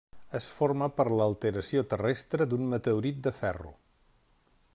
Es forma per l'alteració terrestre d'un meteorit de ferro.